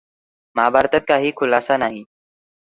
महाभारतात काही खुलासा नाही.